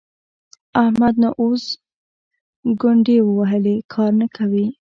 احمد نو اوس ګونډې ووهلې؛ کار نه کوي.